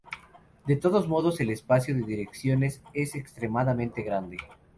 De todos modos, el espacio de direcciones es extremadamente grande.